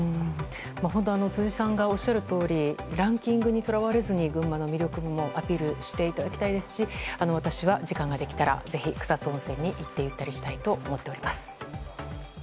本当、辻さんがおっしゃるとおりランキングにとらわれずに群馬の魅力もアピールしていただきたいですし私は時間ができたら、ぜひ草津温泉に行ってゆったりしたいと思っております。